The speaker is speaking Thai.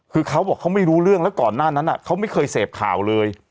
คือเขาบอกเขาไม่รู้เรื่องแล้วก่อนหน้านั้นเขาไม่เคยเสพข่าวเลย